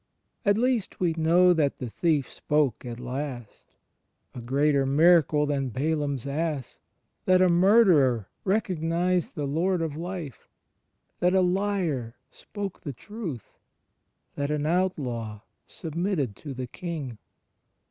... At least we know that the thief spoke at last — a greater miracle than Balaam's ass! — that a murderer recognized the Lord of Life, that a liar spoke the truth, that an outlaw submitted to the King.